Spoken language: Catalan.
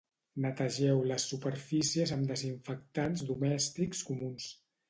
Netegeu les superfícies amb desinfectants domèstics comuns.